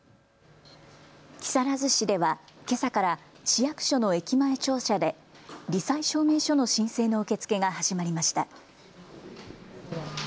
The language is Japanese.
木更津市ではけさから市役所の駅前庁舎で、り災証明書の申請の受け付けが始まりました。